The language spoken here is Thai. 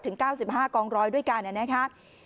ถึง๙๕กองร้อยด้วยกันนะครับ